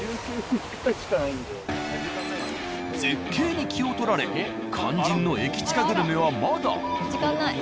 絶景に気を取られて肝心の駅チカグルメはまだ。